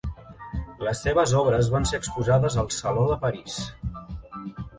Les seves obres van ser exposades al Saló de París.